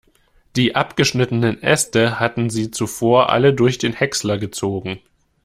Die abgeschnittenen Äste hatten sie zuvor alle durch den Häcksler gezogen.